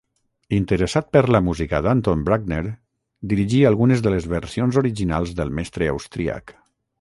Interessat per la música d'Anton Bruckner, dirigí algunes de les versions originals del mestre austríac.